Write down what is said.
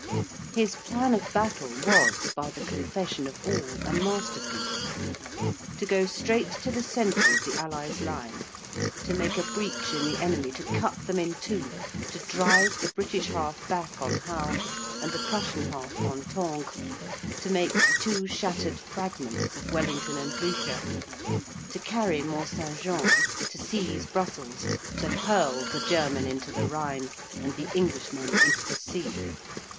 His plan of battle was, by the confession of all, a masterpiece. To go straight to the centre of the Allies' line, to make a breach in the enemy, to cut them in two, to drive the British half back on Hal, and the Prussian half on Tongres, to make two shattered fragments of Wellington and Blücher, to carry Mont Saint Jean, to seize Brussels, to hurl the German into the Rhine, and the Englishman into the sea.